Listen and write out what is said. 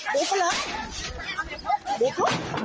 บุกกันเหรอ